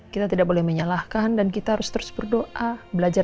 kita tidak boleh menyalahkan dan kita harus terus berubah ubah dan kita harus terus berubah ubah